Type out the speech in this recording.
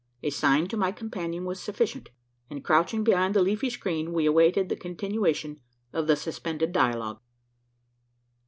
A sign to my companion was sufficient; and, crouching behind the leafy screen, we awaited the continuation of the suspended dialogue.